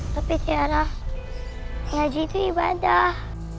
tapi tiara ngaji itu ibadah